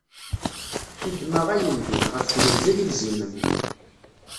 Tidma ayen din, ɣef twenza d ibzimen.